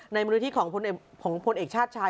ในมือวิธีของผลเอกชาติชาย